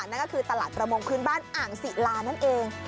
นั่นก็คือตลาดประมงพื้นบ้านอ่างศิลานั่นเอง